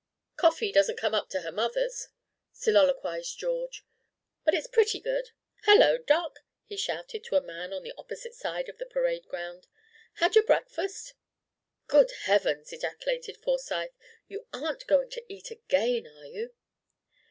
"Coffee doesn't come up to her mother's," soliloquised George, "but it's pretty good. Hello, Doc!" he shouted, to a man on the opposite side of the parade ground. "Had your breakfast?" "Good Heavens!" ejaculated Forsyth, "you aren't going to eat again, are you?"